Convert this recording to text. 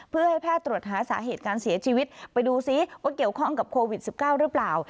เพื่อให้แพทย์ตรวจหาสาเหตุการเสียชีวิตไปดูซิว่าเกี่ยวข้องกับโควิด๑๙หรือเปล่า